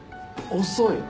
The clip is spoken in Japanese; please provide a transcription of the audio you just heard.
遅い。